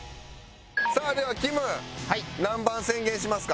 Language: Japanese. さあではきむ何番宣言しますか？